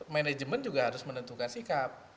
manajemen juga harus menentukan sikap